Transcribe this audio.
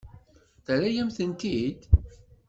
Terra-yam-tent-id?